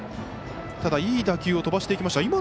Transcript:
ただ、いい打球を飛ばしていきました。